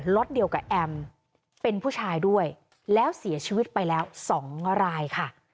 เดียวกับแอมเป็นผู้ชายด้วยแล้วเสียชีวิตไปแล้ว๒รายค่ะ